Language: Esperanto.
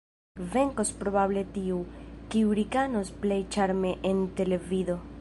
Venkos probable tiu, kiu rikanos plej ĉarme en televido.